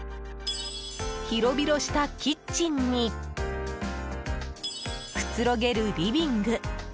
広々したキッチンにくつろげるリビング